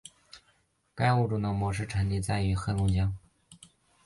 该物种的模式产地在黑龙江。